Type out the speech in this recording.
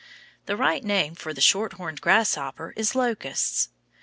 The right name for the shorthorned grasshoppers is locusts.